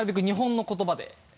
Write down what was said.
日本の言葉。